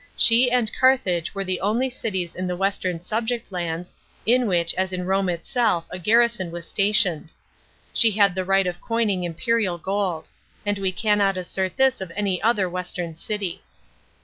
She and Carthage were the only cities in the western subject lands hi which as in Rome herself a garrison was stationed. She had the right of coining imperial gold; and we cannot assert this of any other western city.